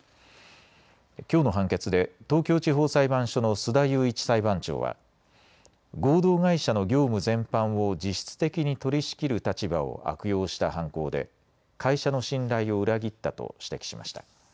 きょうの判決で東京地方裁判所の須田雄一裁判長は合同会社の業務全般を実質的に取りしきる立場を悪用した犯行で会社の信頼を裏切ったと指摘しました。